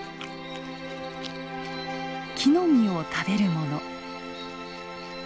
木の実を食べるもの。